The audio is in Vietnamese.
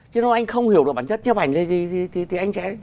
chứ nói anh không hiểu được bản chất nhấp ảnh là gì